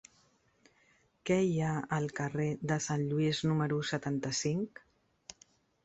Què hi ha al carrer de Sant Lluís número setanta-cinc?